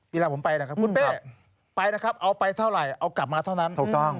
เวลาผมไปนะครับคุณเป้ไปนะครับเอาไปเท่าไหร่เอากลับมาเท่านั้นถูกต้อง